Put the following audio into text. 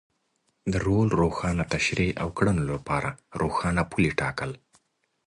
د رول روښانه تشرېح او کړنو لپاره روښانه پولې ټاکل.